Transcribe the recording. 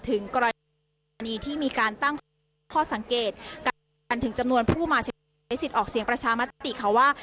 ถึงกรณีที่มีการตั้งข้อสังเกตกันถึงจำนวนผู้มาใช้สิทธิ์ออกเสียงประชามติค่ะว่า